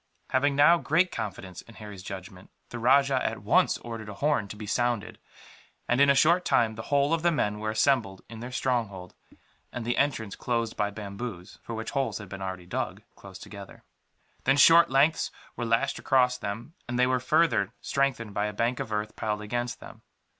Having now great confidence in Harry's judgment, the rajah at once ordered a horn to be sounded and, in a short time, the whole of the men were assembled in their stronghold; and the entrance closed by bamboos, for which holes had been already dug, close together. Then short lengths were lashed across them, and they were further strengthened by a bank of earth piled against them.